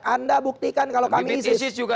anda buktikan kalau kami isis